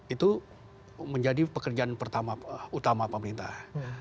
itu menjadi pekerjaan utama pemerintah